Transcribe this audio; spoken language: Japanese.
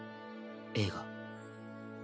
映画。